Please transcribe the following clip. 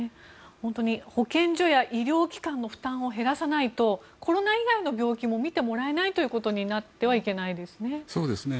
保健所や医療機関の負担を減らさないとコロナ以外の病気も診てもらえないということになってはいけないですね。